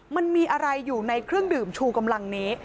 มันมีอะไรอยู่ในเครื่องดื่มชูกำลังนี้